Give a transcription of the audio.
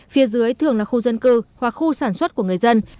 phía dưới thường là khu dân cư hoặc khu sản xuất của người dân